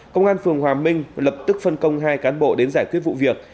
công an phường hòa minh lập tức phân công hai cán bộ đến giải quyết vụ việc